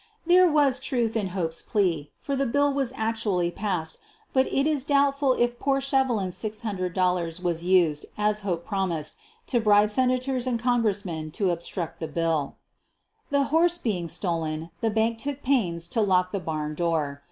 There was truth in Hope's plea, for the bill was actually passed, but it is doubtful if poor Shevelin's $600 was used, as Hope promised, to bribe Senators and Congressmen to obstruct the bill. The horse being stolen, the bank took pains to lock the barn door.